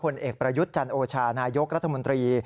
เอกประยุทธ์จันโอชานายกรัฐมนตรี